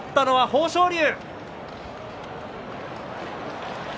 豊昇龍。